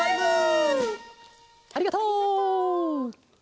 ありがとう。